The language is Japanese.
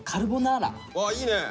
あいいね！